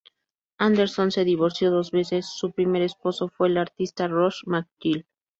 Anderson se divorció dos veces; su primer esposo fue el artista Ross McGill.